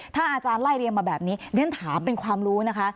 ถ้าอาจารย์ไล่เรียงมาแบบนี้เรียนถามเป็นความรู้นะคะ